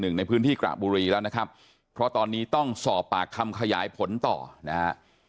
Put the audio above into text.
ในพื้นที่กระบุรีแล้วนะครับเพราะตอนนี้ต้องสอบปากคำขยายผลต่อนะฮะ